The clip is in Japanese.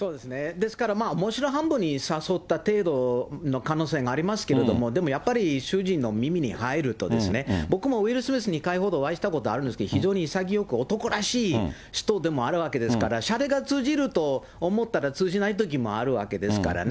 ですから、おもしろ半分に誘った程度の可能性ありますけれども、でもやっぱり主人の耳に入るとですね、僕もウィル・スミスに２回ほどお会いしたことありますけれども、非常に男らしい人でもあるわけですから、しゃれが通じると思ったら通じないときもあるわけですからね。